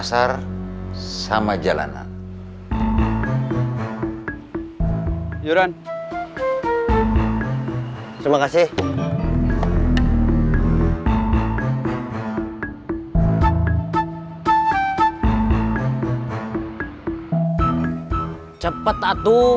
darman urusan saya